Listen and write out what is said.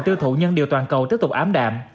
tiêu thụ nhân điều toàn cầu tiếp tục ám đạm